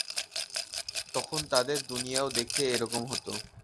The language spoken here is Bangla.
তখন তাদের দুনিয়াও দেখতে এরকম হতো।